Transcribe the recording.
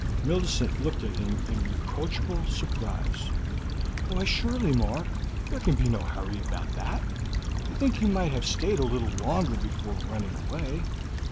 Millicent looked at him in reproachful surprise. "Why, surely, Mark, there can be no hurry about that. I think you might have stayed a little longer before running away."